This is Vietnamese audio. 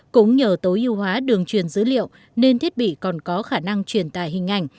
cũng nhờ tối ưu hóa đường truyền dữ liệu nên thiết bị còn có khả năng truyền tài hình ảnh